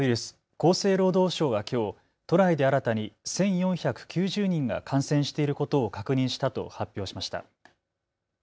厚生労働省はきょう都内で新たに１４９０人が感染していることを確認したと発表しました。